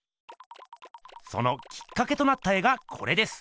そのきっかけとなった絵がこれです。